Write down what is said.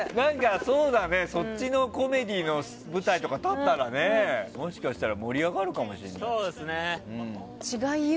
そうだね、そっちのコメディーの舞台とか立ったらもしかしたら盛り上がるかもしれない。